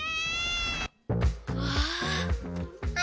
うわあ。